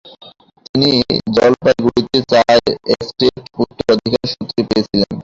তিনি জলপাইগুড়িতে চা এস্টেট উত্তরাধিকার সূত্রে পেয়েছিলেন।